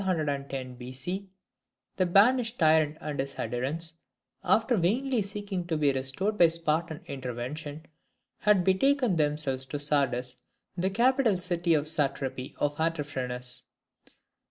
the banished tyrant and his adherents, after vainly seeking to be restored by Spartan intervention, had betaken themselves to Sardis, the capital city of the satrapy of Artaphernes.